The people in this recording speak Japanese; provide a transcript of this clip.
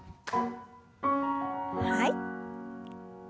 はい。